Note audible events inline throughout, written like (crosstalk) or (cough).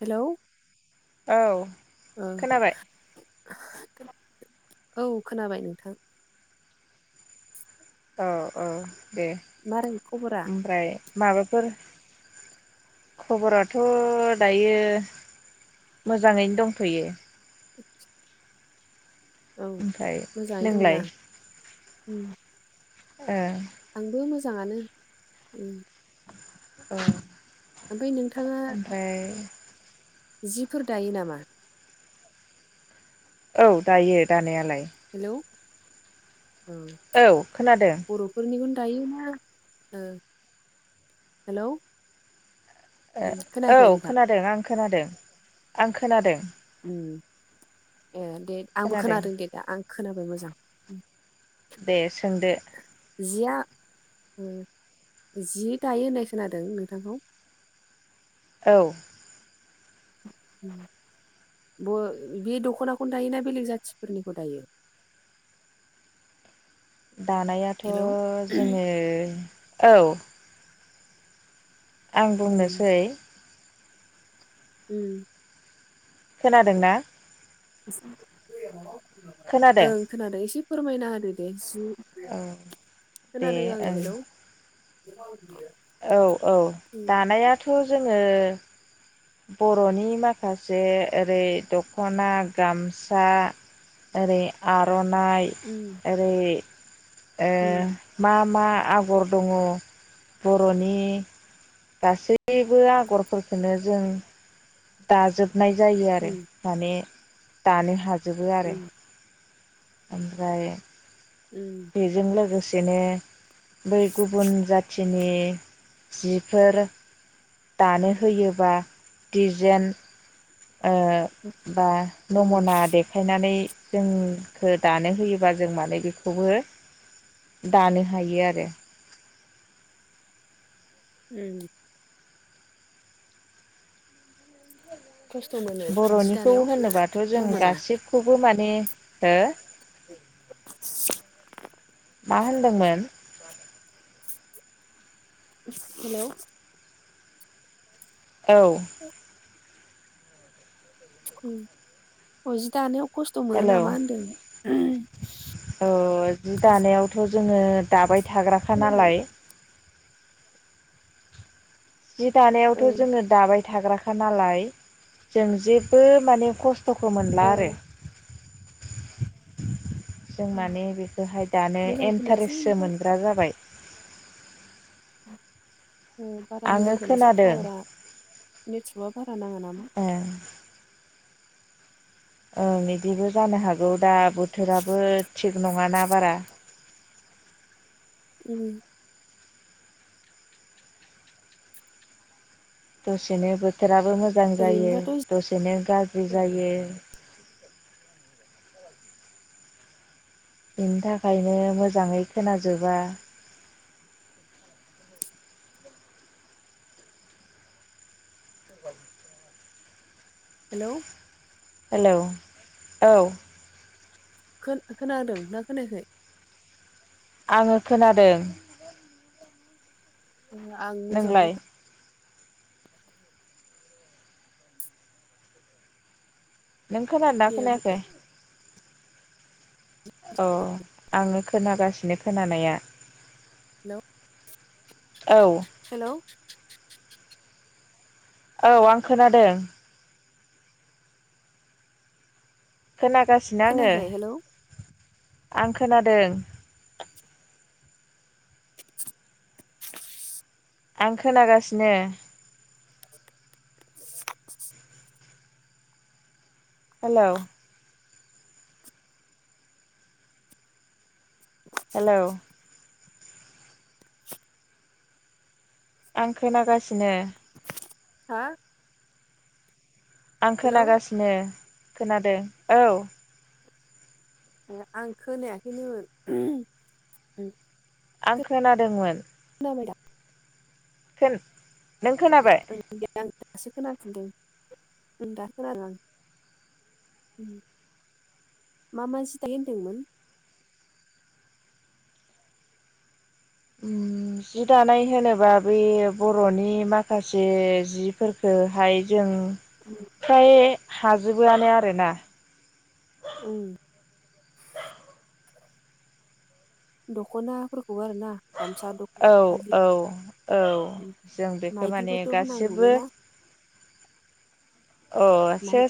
हेल'। औ खोनाबाय। औ खोनाबाय नोंथां। औ औ दे मारै खबरा ओमफ्राय माबाफोर। खबराथ' दायो मोजाङैनो दंथ'यो। (unintelligible) (inaudible) औ ओमफ्राय मोजाङै नोंलाय दंना? उम ओ। आंबो मोजाङानो। ओ। ओमफ्राय नोंथाङा। जिफोर दायो नामा? औ दायो दानायालाय। हेलौ। औ औ खोनादों। बर'फोरनिखौनो दायोना ओ हेलौ। उम औ खोनायाखै नोंथां खोनादों आं खोनादों आं खोनादों। ओम ए दे आंबो खोनादों दे दा आं खोनाबाय मोजां। दे सोंदो। ओम जि दायो होननाय खोनादों नोंथांखौ। औ। उ बे दख'नाखौनो दायोना बेलेग जाथिफोरनिखौ दायो? (unintelligible) (inaudible) दानायाथ' हेलौ जोङो औ। आं बुंनोसै। ओम। खोनादोंना? खोनादों ओं खोनादों एसे फोरमायना होदो दे जि। औ दे खोनादों आङो ओं। हेलौ औ औ उम दानायाथ' जोङो। बर'नि माखासे ओरै दख'ना गामसा। ओरै आर'नाइ उम ओरै। ओ उम मा मा आगर दङ बर'नि गासैबो हुरनाय जायो आरो उम माने दानो हाजोबो आरो। उम ओमफ्राय उम बेजों लोगोसेनो बै गुबुन जाथि जिनि जिफोर दानो होयोबा डिजेन बा उम नमना देखायनानै जोंखौ दानो होयोबा जों माने बेखौबो दानो हायो आरो उम खस्थ' मोनो जि बर'निखौ दानायाव होनोबाथ' ना जों मोना गासिखौबो माने हो (inaudible) मा होनदोंमोन? हेल' औ अ जि दानायाव खस्थ' मोनो हेलौ नामा होनदों? औ जि दानायावथ' जोङो दाबाय थाग्राखा नालाय जि दानायावथ' ओं जोङो दाबाय थाग्राखा नालाय जों जेबो माने खस्थ' खस्थ'खौ मोनला औ आरो जों उम माने बेखौहाय दानो मोजां खोनायासै इन्टारेस्टसो नोंथां मोनग्रा जाबाय। बारा मोजां आङो होनासै खोनादों टावारा नेटवर्कआ बारा नाङा नामा? ओं ओं बिदिबो जानो हागौ दा बोथोराबो थिग नङाना बारा। उम दसेनो बोथोराबो मोजां जायो ओरैनोबाथ' दसेनो गाज्रि गारजि जायो। बेनि थाखायनो मोजाङै खोनाजोबा। हेल' हेल' औ खोन खोनादों ना खोनायाखाय? आङो खोनादों। ओ आं मोजांखौनो नोंलाय खोन नों खोनादों दा दे बुं। खोनायाखै? अ आङो खोनागासिनो खोनानाया। हेल' औ हेल' औ आं खोनादों। खोनागासिनो आङो खोनायाखै हेलौ आं खोनादों। आं खोनागासिनो। हेल' हेल' आं खोनागासिनो। हा आं हेलौ खोनागासिनो खोनादों औ आं खोनायाखैनोमोन। आं खोनादोंमोन। खोनाबायदा? खोन नों खोनाबाय? आं दासो खोनाफिनदों दा खोनादों आं मा मा जि दायो होनदोंमोन? उम जि दानाय होनोबा बे बर'नि माखासे जिफोरखोहाय जों फ्राय हाजोबोआनो आरोना उम दख'नाफोर खौ आरोना गामसा औ दख'ना, फालि औ औ जों बेखौ माने माइदिबोथ' होनांगौबे गासिबो ना? (inaudible) अ एसे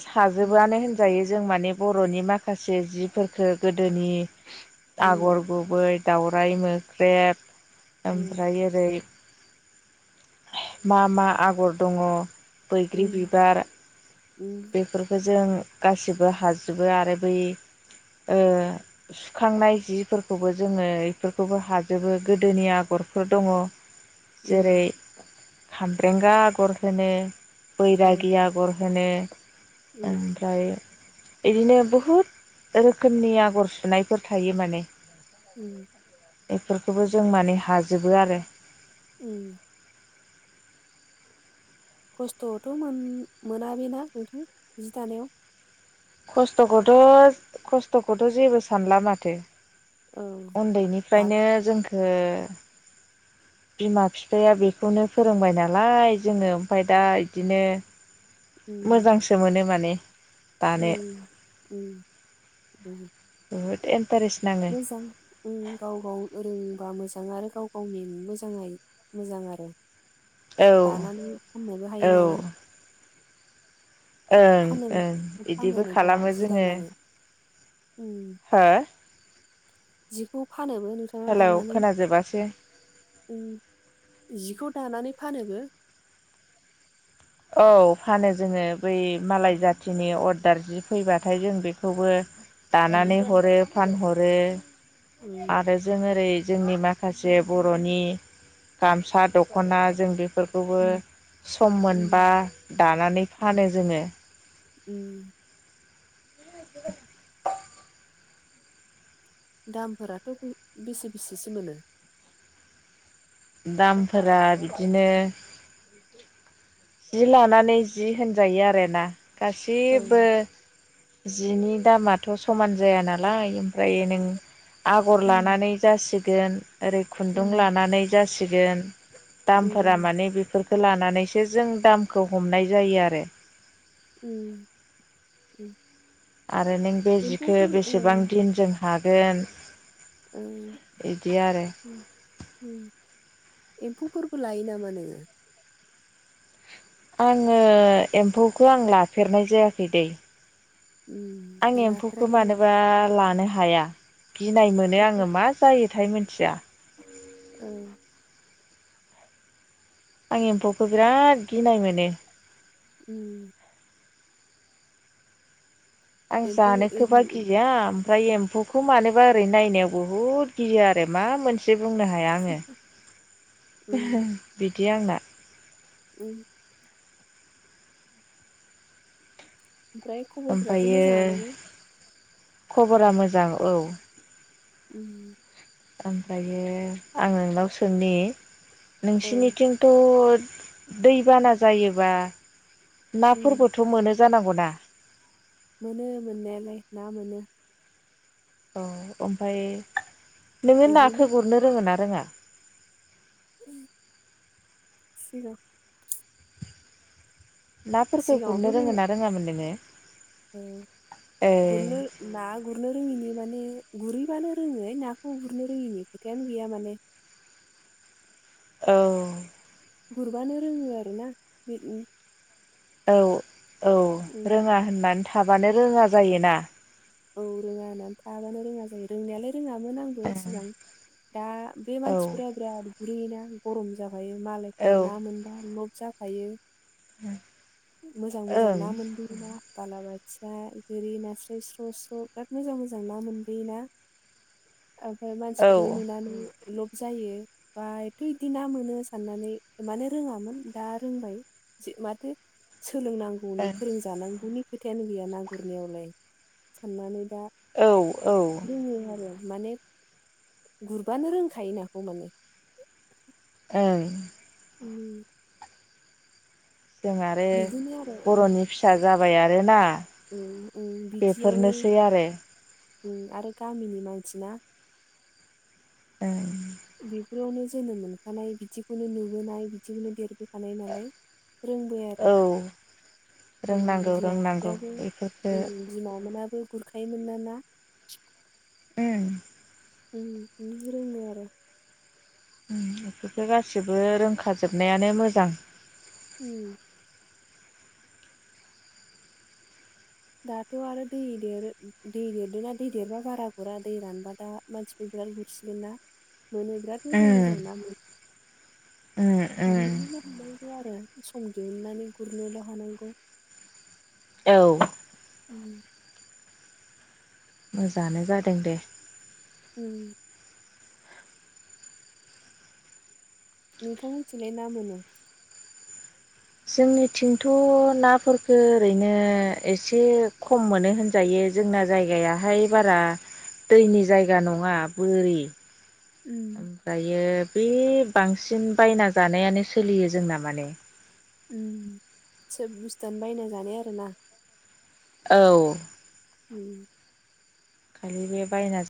उम साजोबोआनो होनजायो जों माने बर'नि माखासे जिफोरखो गोदोनि आगर गुबै दाावराइ मोख्रेब, उम ओमफ्राय ओरै मा मा आगर दङ बैग्रि उम बिबार उम बेफोरखौ जों गासिबो हाजोबो आरो बै ओ सुखांनाय जिफोरखौबो जोङो इफोरखौबो हाजोबो। गोदोनि आग रफोर दङ जेरै उम खामब्रेंगा आगर होनो औ बैरागि आगर होनो उम ओमफ्राय बिदिनो बहुद रोखोमनि आगर सुनायफोर थायो माने उम बेफोरखौबो जों माने हाजोबो आरो। उम खस्थ'थ' मोनाबिना नोंथां जि दानायाव? खस्थ'खौथ' खस्थ'खौथ' जेबो सानला माथो औ दा उन्दैनिफ्रायनो जोंखो बिमा बिफाया बेखौनो फोरोंबाय नालाय जोङो ओमफ्राय दा इदिनो उम मोजांसो मोनो माने। दानो उम उम उम (inaudible) नाङो मोजां ओं गाव गाव रों बा मोजां आरो गाव गावनि मोजाङै मोजां आरो औ दानानै फाननोबो औ हायो ओं नालाय ओं फानो ओं फानो बिदिबो नोंथाङा खालामो जि जोङो। दानानै उम हो? जिखौ फानोबो नोंथाङा हेलौ दानानै खोनाजोबासै उम जिखौ दानानै फानोबो? औ फानो जोङो। बै मालाय जाथिनि अर्दार जि फैबाथाय जों बेखौबो उम दानानै हरो फानहरो उम आरो जों ओरै जोंनि माखासे बर'नि गामसा दख'ना जों बे फोरखौबो उम सम उम मोनबा दानानै उम फानो जोङो। उम (inaudible) दामफोराथ' बेसे बेसेसो मोनो? दामफोरा बिदिनो जि लानानै जि होनजायो आरोना औ गासिबबो जिनि दामाथ' समान जाया नालाय ओमफ्रायो नों आगर उम लानानै जासिगोन ओरै खुन्दुं उम लानानै जासिगोन दामफोरा उम माने बेफोरखौ लानानैसो जों दामखौ हमनाय जायो आरो उम उम आरो नों बे जिखो एम्फौफोर ओ बेसेबां दिनजों हागोन औ बिदि आरो ओम उम एम्फौफोरबो लायो नामा नोङो? आङो एम्फौखो आं लाफेरनाय जायाखै दैे आं उम एम्फौखो लाफेराखैनो मानोबा लानो हाया गिनाय मोनो आङो मा जायो थाय मिनथिया। ओं। आं एम्फौखो बिराद गिनाय मोनो। उम। आं एम्फौ जानोखोबा इन्दि गिया फ्राय एम्फौखौ मानोबा ओरै नायनायाव बुहुत गियो आरो मा मोनसे दे बुंनो हाया उम आङो बिदि आंना। उम। ओमफ्राय खबरफोराथ' ओमफ्रायो मोजाङानोमोन? खबरा मोजां औ। उम। ओमफ्रायो आं नोंनाव सोंनि औ नोंसिनिथिंथ' दैबाना जायोबा उम नाफोरबोथ' मोनो जानांगौना? मोनो मोननायालाय ना मोनो। औ ओमफाय नोङो इदिनो नाखो गुरनो रोङो ना रोङा? (unintelligible) नाफोरखो सिगाङावथ' गुरनो रों रोङो ना रोङामोन नोङो? औ ए गुरनो ना गुरनो रोङिनि माने गुरैबानो रोङोहाय नाखौ गुरनो रोङिनि खोथायानो गैया माने औ। गुरबानो रोङो आरो ना बिदिन औ औ रोङा होननानै थाबानो रोङा जायोना। औ रोङा होननानै थाबानो रोङा जायो रोंनायालाय रोङामोन आंबो ओं सिगां दा बे औ मानसिफोरा बिराद गुरैयोना गरम जाब हायो औ मालायफ्रा ना मोनबा लब जाफायो। मोजां मोजां ओं ना मोनबोयोना बालाबाथिया गोरि नास्राय स्र स्र' बिराद मोजां मोजां ना मोनबोयोना ओं औ मानसिफोरखौ नुनानै लब जायो बायथिदि ना मोनो साननानै माने रोङामोन दा रोंबाय। जे माथो सो सोलोंनांगौनि फोरोंजानांगौनि खोथायानो गैया ना गुरनायावलाय साननानै दा औ औ। रोङो आरो माने गुरबानो रोंखायो नाखौ माने ओं। जों आरो बिदिनो आरो बर'नि फिसा जाबाय आरोना। उम उम बिदियावनो बेफोरनोसै आरो। उम आरो गामिनि मानसि ना ओं। बेफोरावनो जोनोम मोनखानाय बिदिखौनो नुबोनाय बिदिखौनो देरबोखानाय नालाय रोंबाय आरो। औ उम रोंनांगौ बिमा रोंनांगौ फिफायाबो बेफोरखो उम बिमा मोनाबो गुरखायोमोनना ना। उम। उम इदिनो रोङो आरो। उम इफोरखो गासिबो रोंखाजोबनायानो मोजां। उम। दाथ' आरो दै देरो दै देरदोंना दै देरबा बारा गुरा दै रानबा दा मानसिफोर बिराल गुरसिगोन ना मोनो बिराद मोजां उम मोजां ना उम मोनो। उम गुरनोल' हानांगौ आरो सम दिहुननानै गुरनोल' हानांगौ। (unintelligible) औ। उम मोजाङानो जादों दे। उम। नोंथांमोननिथिंलाय मा मोनो। जोंनिथिंथ' नाफोरखो ओरैनो एसे खम मोनो होनजायो। जोंना जायगायाहाय बारा दैनि जायगा नङा बोरि। उम ओमफ्रायो। बे बांसिन बायना जानायानो सोलियो जोंना माने ओम सोब बुस्थुआनो बायना जानाय आरोना। औ। उम। खालि बे बायना।